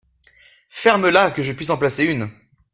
Ferme-la, que je puisse en placer une !